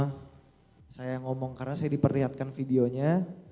saya bilang itu semua saya ngomong karena saya diperlihatkan videonya